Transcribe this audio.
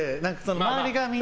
周りがみんな。